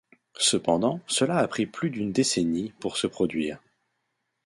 Cependant, cela a pris plus d'une décennie pour se produire.